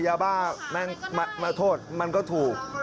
ยาบ้ามาโทษมันก็ถูก